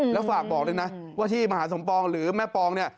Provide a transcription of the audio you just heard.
แล้วฝากบอกด้วยนะว่าที่มหาสมปองหรือแม่ปองเนี่ย